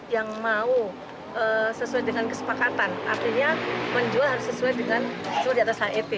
yang mau sesuai dengan kesepakatan artinya menjual harus sesuai dengan sesuai di atas het